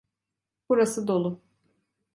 Burası dolu.